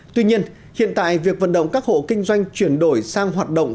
tuy nhiên hiện tại việc vận động các hộ kinh doanh chuyển đổi sang hoạt động